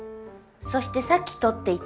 そしてさっき撮っていた